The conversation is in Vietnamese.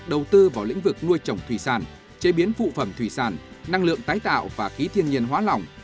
đầu tư vào lĩnh vực nuôi trồng thủy sản chế biến phụ phẩm thủy sản năng lượng tái tạo và khí thiên nhiên hóa lỏng